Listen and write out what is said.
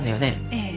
ええ。